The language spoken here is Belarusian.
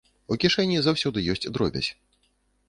У кішэні заўсёды ёсць дробязь.